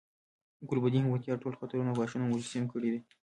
ګلبدین حکمتیار ټول خطرونه او ګواښونه مجسم کړي دي.